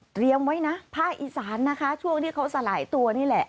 ไว้นะภาคอีสานนะคะช่วงที่เขาสลายตัวนี่แหละ